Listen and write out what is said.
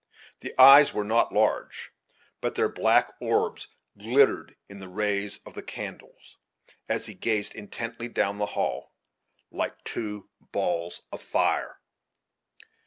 The eyes were not large, but their black orbs glittered in the rays of the candles, as he gazed intently down the hall, like two balls of fire.